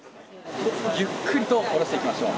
ゆっくりと下ろしていきましょう。